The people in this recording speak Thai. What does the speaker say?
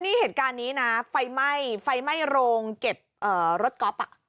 นี่เหตุการณ์นี้นะไฟไหม้ไฟไหม้โรงเก็บรถก๊อฟอ่ะ